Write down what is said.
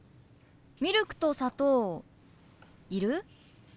ミルクと砂糖いる？